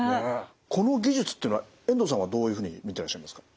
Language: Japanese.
この技術っていうのは遠藤さんはどういうふうに見てらっしゃいますか？